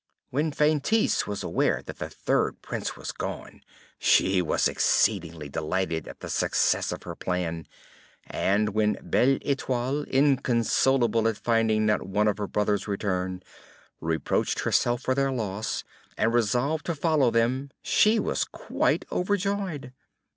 When Feintise was aware that the third Prince was gone, she was exceedingly delighted at the success of her plan; and when Belle Etoile, inconsolable at finding not one of her brothers return, reproached herself for their loss, and resolved to follow them, she was quite overjoyed.